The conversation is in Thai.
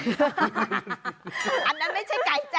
อันนั้นไม่ใช่ไก่จ้